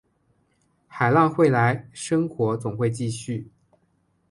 海浪会来，生活总会继续